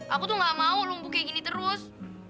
aku tuh gak mau lumpu kayak gini terus